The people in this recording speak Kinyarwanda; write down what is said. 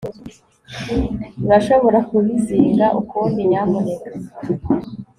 urashobora kubizinga ukundi, nyamuneka